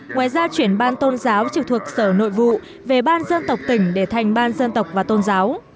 ngoài ra chuyển ban tôn giáo trực thuộc sở nội vụ về ban dân tộc tỉnh để thành ban dân tộc và tôn giáo